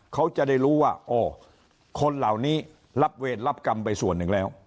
เขาจะได้รู้ว่าอ๋อคนเหล่านี้รับเวรรับกรรมไปส่วนหนึ่งแล้ว